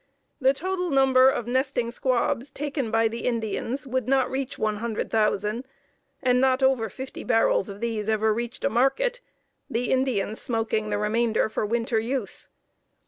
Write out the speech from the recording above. The total number of nesting squabs taken by the Indians would not reach 100,000 and not over fifty barrels of these ever reached a market, the Indians smoking the remainder for winter use.